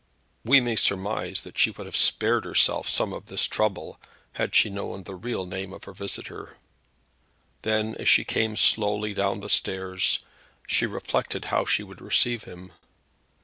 We may surmise that she would have spared herself some of this trouble had she known the real name of her visitor. Then, as she came slowly down the stairs, she reflected how she would receive him.